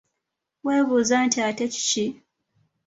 Weebuuza nti ate kiki?